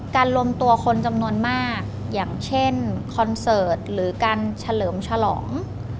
การรวมตัวคนจำนวนมากอย่างเช่นคอนเสิร์ตหรือการเฉลิมฉลอง